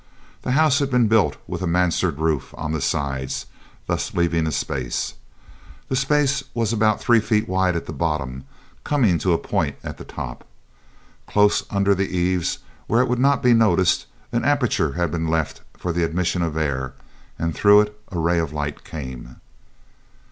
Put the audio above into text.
The house had been built with a mansard roof on the sides, thus leaving a space. This space was about three feet wide at the bottom, coming to a point at the top. Close under the eaves, where it would not be noticed, an aperture had been left for the admission of air, and through it a ray of light came.